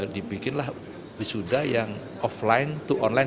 dibikinlah wisuda yang offline to online